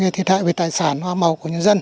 thiệt hại về tài sản hoa màu của nhân dân